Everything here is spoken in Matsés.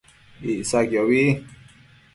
Icsaquiobi